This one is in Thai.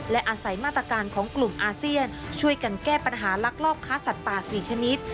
และอาศัยมาตรการของกลุ่มอาเซียนช่วยกันแก้ปัญหาลักลอบค้าสัตว์ป่า๔ชนิด